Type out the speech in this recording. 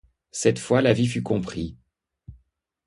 Cette fois l'avis fut compris.